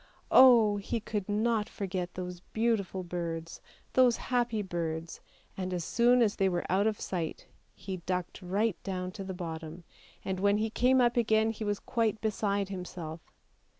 Oh, he could not forget those beautiful birds, those happy birds, and as soon as they were out of sight he ducked right down to the bottom, and when he came up again he was quite beside himself.